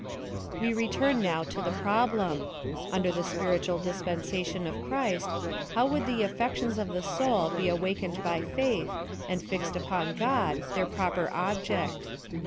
We return, now, to the problem — Under the spiritual dispensation of Christ, how could the af fections of the soul be awakened by faith, and fixed rtpon God, their proper object